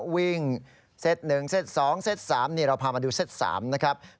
วิ่งเซตหนึ่งเซตสองเซตสามเราพามาดูเซตสามนะครับ